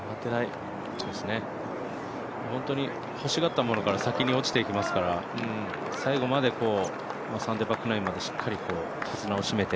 本当に欲しがったものから先に落ちていきますから、最後までサンデーバックナインまでしっかり手綱を締めて。